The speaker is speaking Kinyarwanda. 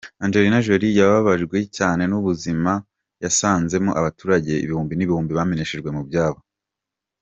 Angelina Jolie yababajwe cyane n’ubuzima yasanzemo abaturage ibihumbi n’ibihumbi bameneshejwe mu byabo.